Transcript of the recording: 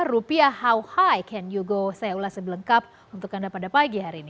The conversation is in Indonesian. rupiah how high can yogo saya ulas sebelengkap untuk anda pada pagi hari ini